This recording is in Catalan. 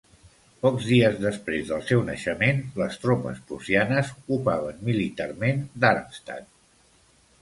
Pocs dies després del seu naixement, les tropes prussianes ocupaven militarment Darmstadt.